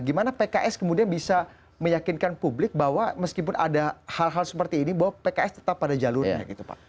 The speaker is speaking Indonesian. gimana pks kemudian bisa meyakinkan publik bahwa meskipun ada hal hal seperti ini bahwa pks tetap pada jalurnya gitu pak